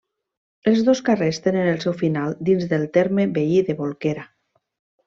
Els dos darrers tenen el seu final dins del terme veí de Bolquera.